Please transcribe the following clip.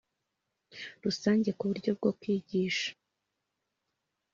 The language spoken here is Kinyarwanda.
Rusange ku buryo bwo kugishwa